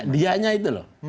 dianya itu loh